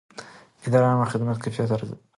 اداره د عامه خدمت کیفیت ارزوي.